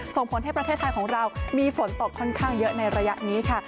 ส่งผลให้ประเทศไทยของเรามีฝนตกค่อนข้างเยอะในระยะนี้ค่ะ